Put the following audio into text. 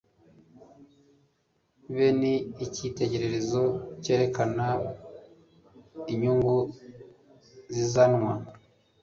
be ni icyitegererezo cyerekana inyungu zizanwa